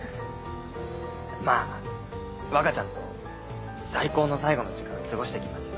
まぁ若ちゃんと最高の最後の時間過ごしてきますよ。